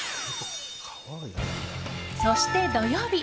そして、土曜日。